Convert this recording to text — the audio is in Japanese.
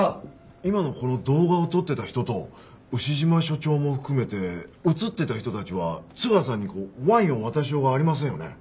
今のこの動画を撮ってた人と牛島署長も含めて映ってた人たちは津川さんにワインを渡しようがありませんよね。